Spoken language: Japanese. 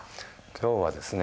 今日はですね